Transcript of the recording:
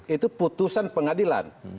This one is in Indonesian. itu putusan pengadilan